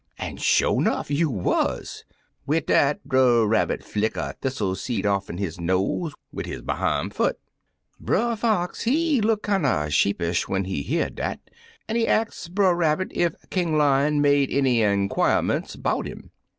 An', sho* 'nough, you wuz/ Wid dat, Brer Rabbit flick a thistle seed off*n his nose wid his behime foot. " Brer Fox look kinder sheepish when he hear dat, an' he ax Brer Rabbit ef King Lion make any inquirements 'bout 'im.